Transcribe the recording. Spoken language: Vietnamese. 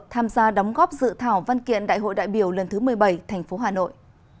tham gia đóng góp dự thảo văn kiện đại hội đại biểu lần thứ một mươi bảy tp hà nội